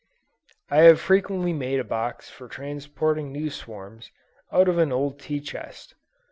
I have frequently made a box for transporting new swarms, out of an old tea chest.